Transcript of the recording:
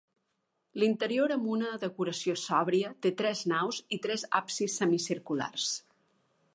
L'interior, amb una decoració sòbria, té tres naus i tres absis semicirculars.